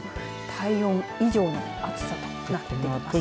体温以上の暑さとなっています。